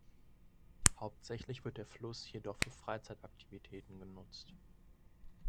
Hauptsächlich wird der Fluss jedoch für Freizeitaktivitäten genutzt.